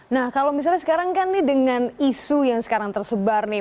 nah kalau misalnya sekarang kan nih dengan isu yang sekarang tersebar nih